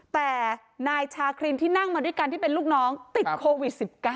แต่นายชาครีนที่นั่งมาด้วยกันที่เป็นลูกน้องติดโควิด๑๙